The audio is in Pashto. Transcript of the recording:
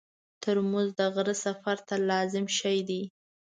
ترموز د غره سفر ته لازم شی دی.